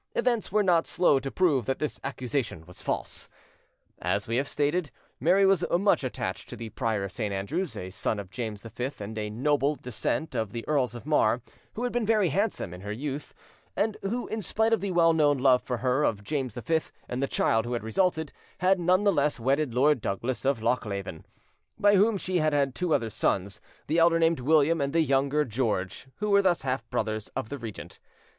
Events were not slow to prove that this accusation was false. As we have stated, Mary was much attached to the Prior of St. Andrews, a son of James V and of a noble descendant of the Earls of Mar, who had been very handsome in her youth, and who, in spite of the well known love for her of James V, and the child who had resulted, had none the less wedded Lord Douglas of Lochleven, by whom she had had two other sons, the elder named William and the younger George, who were thus half brothers of the regent.